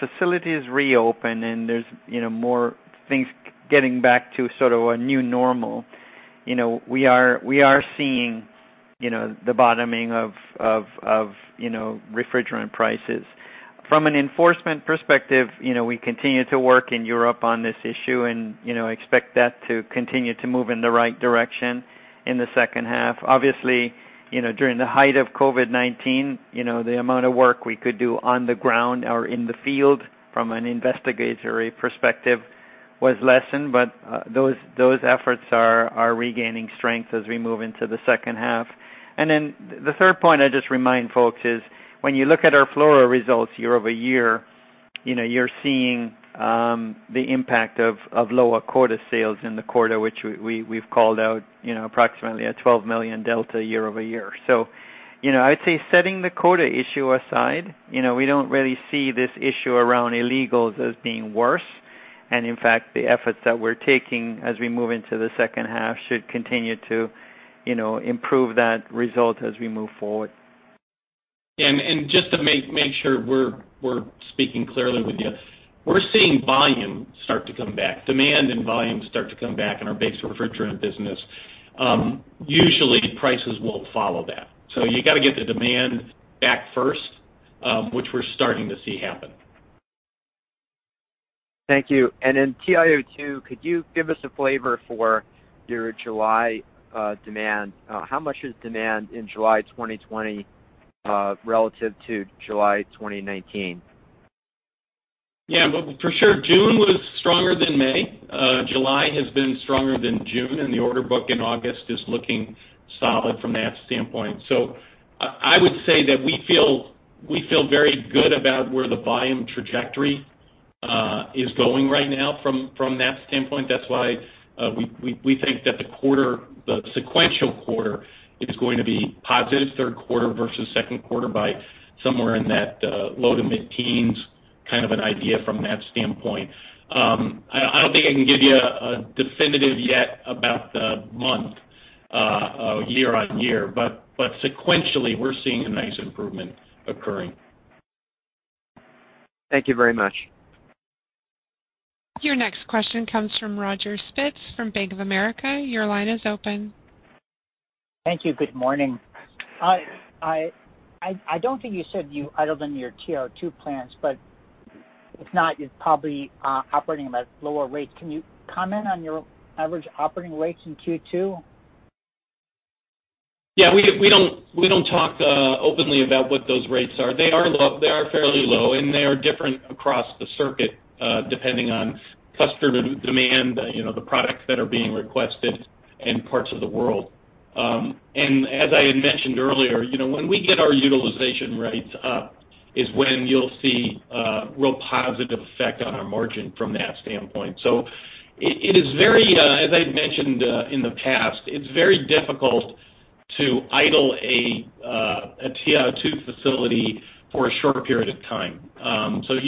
facilities reopen and there's more things getting back to sort of a new normal, we are seeing the bottoming of refrigerant prices. From an enforcement perspective, we continue to work in Europe on this issue and expect that to continue to move in the right direction in the second half. Obviously, during the height of COVID-19, the amount of work we could do on the ground or in the field from an investigatory perspective was lessened. Those efforts are regaining strength as we move into the second half. The third point I'd just remind folks is when you look at our fluoro results year-over-year, you're seeing the impact of lower quota sales in the quarter, which we've called out approximately a $12 million delta year-over-year. I'd say setting the quota issue aside, we don't really see this issue around illegals as being worse. In fact, the efforts that we're taking as we move into the second half should continue to improve that result as we move forward. Just to make sure we're speaking clearly with you, we're seeing volume start to come back. Demand and volume start to come back in our base refrigerant business. Usually, prices will follow that. You got to get the demand back first, which we're starting to see happen. Thank you. TiO2, could you give us a flavor for your July demand? How much is demand in July 2020 relative to July 2019? Yeah. For sure, June was stronger than May. July has been stronger than June, and the order book in August is looking solid from that standpoint. I would say that we feel very good about where the volume trajectory is going right now from that standpoint. That's why we think that the sequential quarter is going to be positive, third quarter versus second quarter, by somewhere in that low to mid-teens kind of an idea from that standpoint. I don't think I can give you a definitive yet about the month of year-on-year. Sequentially, we're seeing a nice improvement occurring. Thank you very much. Your next question comes from Roger Spitz from Bank of America. Your line is open. Thank you. Good morning. I don't think you said you idled any of your TiO2 plants, but if not, you're probably operating them at lower rates. Can you comment on your average operating rates in Q2? Yeah. We don't talk openly about what those rates are. They are fairly low. They are different across the circuit, depending on customer demand, the products that are being requested in parts of the world. As I had mentioned earlier, when we get our utilization rates up is when you'll see a real positive effect on our margin from that standpoint. It is very, as I've mentioned in the past, it's very difficult to idle a TiO2 facility for a short period of time. If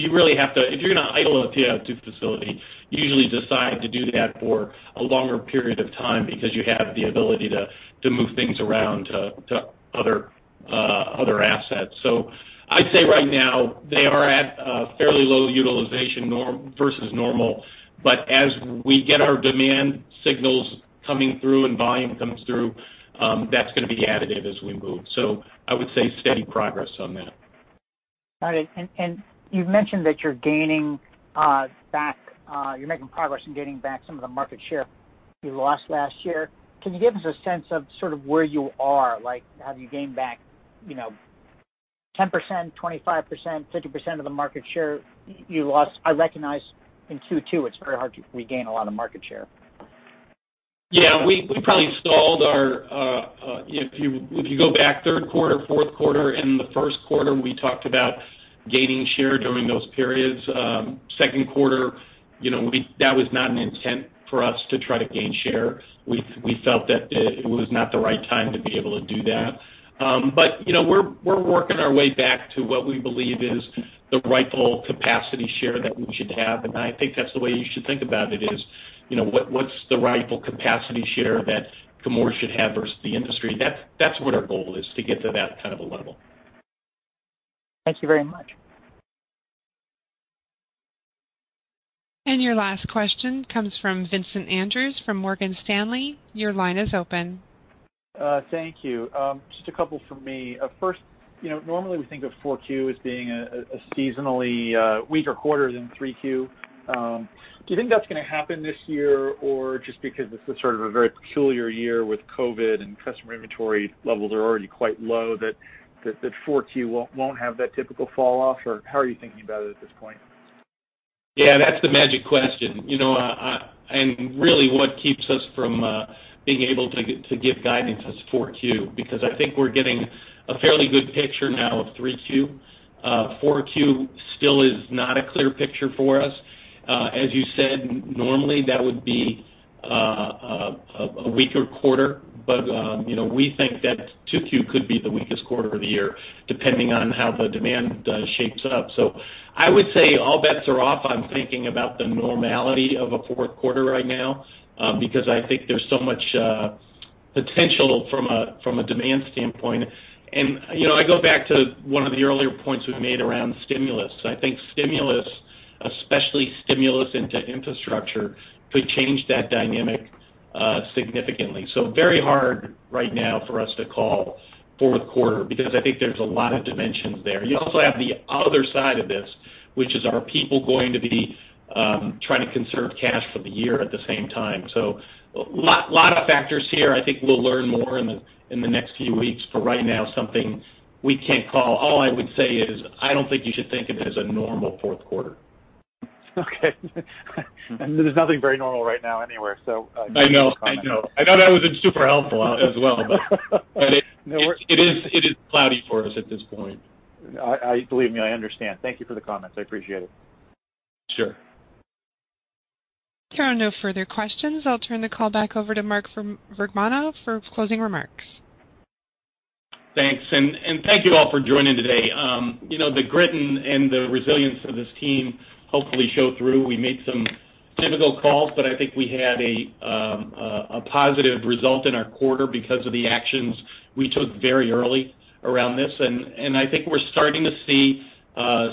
you're going to idle a TiO2 facility, you usually decide to do that for a longer period of time because you have the ability to move things around to other assets. I'd say right now they are at a fairly low utilization versus normal. As we get our demand signals coming through and volume comes through, that's going to be additive as we move. I would say steady progress on that. All right. You've mentioned that you're making progress in gaining back some of the market share you lost last year. Can you give us a sense of sort of where you are? Like, have you gained back 10%, 25%, 50% of the market share you lost? I recognize in Q2 it's very hard to regain a lot of market share. Yeah. We probably stalled. If you go back third quarter, fourth quarter, and the first quarter, we talked about gaining share during those periods. Second quarter, that was not an intent for us to try to gain share. We felt that it was not the right time to be able to do that. We're working our way back to what we believe is the rightful capacity share that we should have. I think that's the way you should think about it is, what's the rightful capacity share that Chemours should have versus the industry? That's what our goal is, to get to that kind of a level. Thank you very much. Your last question comes from Vincent Andrews from Morgan Stanley. Your line is open. Thank you. Just a couple from me. First, normally we think of 4Q as being a seasonally weaker quarter than 3Q. Do you think that's going to happen this year? Just because this is sort of a very peculiar year with COVID and customer inventory levels are already quite low, that 4Q won't have that typical fall off? How are you thinking about it at this point? Yeah, that's the magic question. Really what keeps us from being able to give guidance is 4Q, because I think we're getting a fairly good picture now of 3Q. 4Q still is not a clear picture for us. As you said, normally that would be a weaker quarter. We think that 2Q could be the weakest quarter of the year, depending on how the demand shapes up. I would say all bets are off on thinking about the normality of a fourth quarter right now. I think there's so much potential from a demand standpoint. I go back to one of the earlier points we've made around stimulus. I think stimulus, especially stimulus into infrastructure, could change that dynamic significantly. Very hard right now for us to call fourth quarter, because I think there's a lot of dimensions there. You also have the other side of this, which is are people going to be trying to conserve cash for the year at the same time? Lot of factors here. I think we'll learn more in the next few weeks. For right now, something we can't call. All I would say is I don't think you should think of it as a normal fourth quarter. Okay. There's nothing very normal right now anywhere. I know. I know. I know that wasn't super helpful as well. No, It is cloudy for us at this point. Believe me, I understand. Thank you for the comments. I appreciate it. Sure. There are no further questions. I'll turn the call back over to Mark Vergnano for closing remarks. Thanks. Thank you all for joining today. The grit and the resilience of this team hopefully show through. We made some difficult calls, but I think we had a positive result in our quarter because of the actions we took very early around this. I think we're starting to see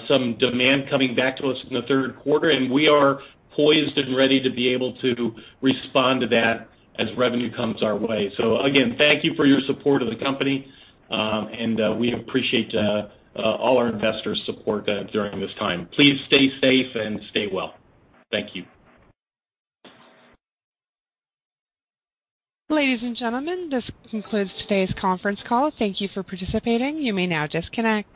some demand coming back to us in the third quarter, and we are poised and ready to be able to respond to that as revenue comes our way. Again, thank you for your support of the company. We appreciate all our investors' support during this time. Please stay safe and stay well. Thank you. Ladies and gentlemen, this concludes today's conference call. Thank you for participating. You may now disconnect.